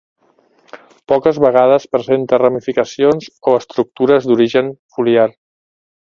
Poques vegades presenta ramificacions o estructures d'origen foliar.